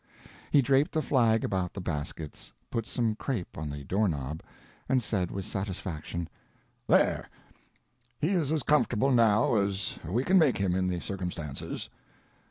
He draped the flag about the baskets, put some crape on the door knob, and said with satisfaction: "There—he is as comfortable, now, as we can make him in the circumstances.